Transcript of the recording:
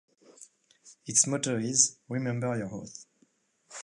Its motto is "Remember Your Oath".